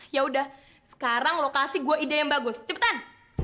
ya udah sekarang lokasi gue ide yang bagus cepetan